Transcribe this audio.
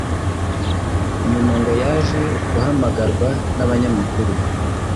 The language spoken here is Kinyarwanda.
Nyuma ngo yaje guhamagarwa n'abanyamakuru